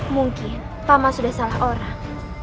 mungkin pama sudah salah orang